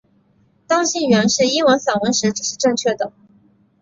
当信源是英文散文时这是正确的。